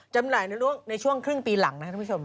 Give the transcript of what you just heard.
จำหน่ายในช่วงครึ่งปีหลังนะครับท่านผู้ชม